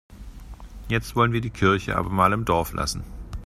Jetzt wollen wir die Kirche aber mal im Dorf lassen.